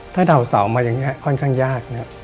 ถ้าดาวเสามาอย่างนี้ค่อนข้างยากนะครับ